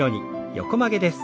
横曲げです。